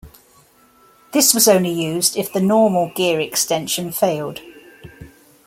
This was only used if the normal gear extension failed.